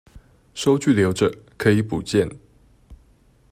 收據留著，可以補件